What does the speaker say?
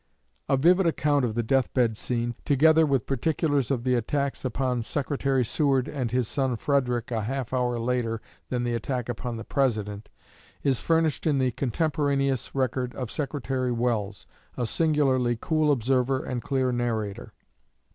A vivid account of the death bed scene, together with particulars of the attacks upon Secretary Seward and his son Frederick a half hour later than the attack upon the President, is furnished in the contemporaneous record of Secretary Welles, a singularly cool observer and clear narrator.